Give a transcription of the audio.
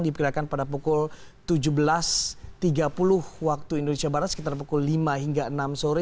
diperkirakan pada pukul tujuh belas tiga puluh waktu indonesia barat sekitar pukul lima hingga enam sore